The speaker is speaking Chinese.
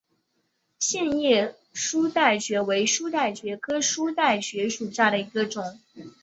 线叶书带蕨为书带蕨科书带蕨属下的一个种。